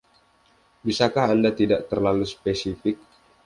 Bisakah anda tidak terlalu spesifik?